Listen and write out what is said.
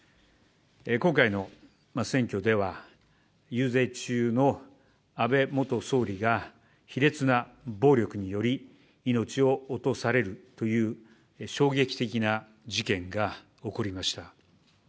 今回の選挙では、遊説中の安倍元総理が卑劣な暴力により、命を落とされるという、衝撃的な事件が起こりました。